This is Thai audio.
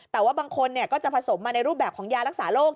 แต่ว่าบางคนก็จะผสมมาในรูปแบบของยารักษาโรค